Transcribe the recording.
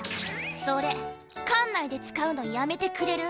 それ艦内で使うのやめてくれる？